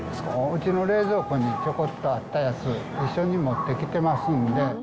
うちの冷蔵庫にちょこっとあったやつ、一緒に持ってきてます